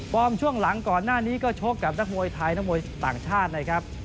ช่วงหลังก่อนหน้านี้ก็ชกกับนักมวยไทยนักมวยต่างชาตินะครับ